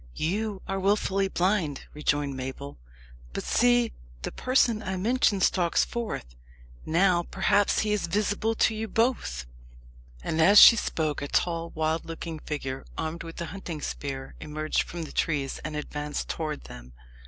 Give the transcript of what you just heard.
"You are wilfully blind," rejoined Mabel. "But see, the person I mentioned stalks forth. Now, perhaps, he is visible to you both." And as she spoke, a tall wild looking figure, armed with a hunting spear, emerged from the trees and advanced towards them.